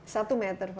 satu meter persegi